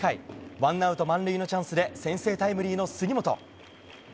ワンアウト満塁のチャンスで先制タイムリーの杉本。